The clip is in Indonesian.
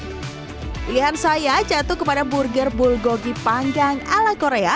pilihan saya jatuh kepada burger bulgogi panggang ala korea